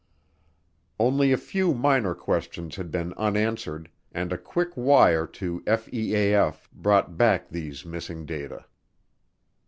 Only a few minor questions had been unanswered, and a quick wire to FEAF brought back these missing data.